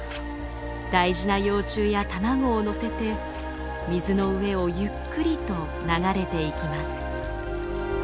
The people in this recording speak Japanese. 大事な幼虫や卵を載せて水の上をゆっくりと流れていきます。